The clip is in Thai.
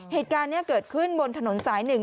เหตุการณ์นี้เกิดขึ้นบนถนนสายหนึ่ง